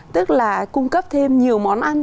tức là cung cấp thêm nhiều món ăn